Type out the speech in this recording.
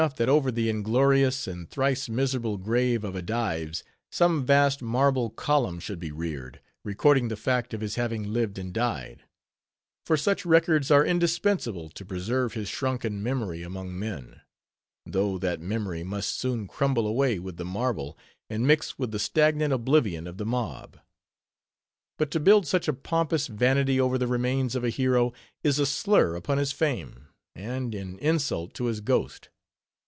It is well enough that over the inglorious and thrice miserable grave of a Dives, some vast marble column should be reared, recording the fact of his having lived and died; for such records are indispensable to preserve his shrunken memory among men; though that memory must soon crumble away with the marble, and mix with the stagnant oblivion of the mob. But to build such a pompous vanity over the remains of a hero, is a slur upon his fame, and an insult to his ghost.